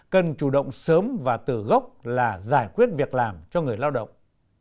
cần chủ động sớm và từ gốc là giải quyết việc làm cho người lao động